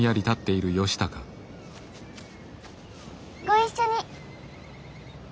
ご一緒に。